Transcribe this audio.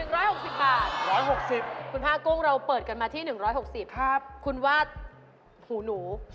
๑๖๐บาทคุณผ้ากุ้งเราเปิดกันมาที่๑๖๐บาทคุณว่าหูหนู